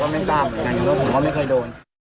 ก็ไม่ตามเหมือนกันนะครับผมก็ไม่เคยโดน